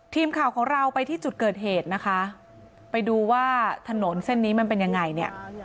ทีมข่าวของเราไปที่จุดเกิดเหตุนะคะไปดูว่าถนนเส้นนี้มันเป็นยังไงเนี่ย